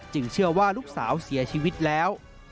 เชื่อว่าลูกสาวเสียชีวิตแล้ว